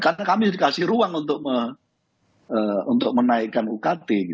karena kami dikasih ruang untuk menaikkan ukt